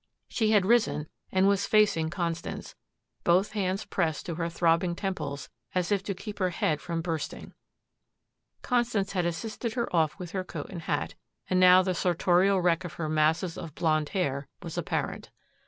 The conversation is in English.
She had risen and was facing Constance, both hands pressed to her throbbing temples as if to keep her head from bursting. Constance had assisted her off with her coat and hat, and now the sartorial wreck of her masses of blonde hair was apparent.